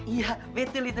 iya betul itu